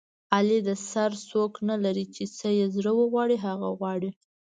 علي د سر څوک نه لري چې څه یې زړه و غواړي هغه غواړي.